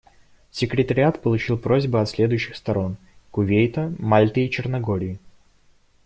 Секретариат получил просьбы от следующих сторон: Кувейта, Мальты и Черногории.